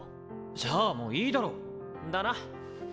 じゃあもういいだろ！だな。